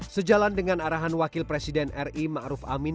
sejalan dengan arahan wakil presiden ri ma'ruf amin